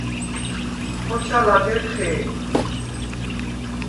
ხოჩა ლადეღ ხე̄ქვ.